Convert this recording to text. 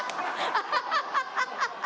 アハハハハ！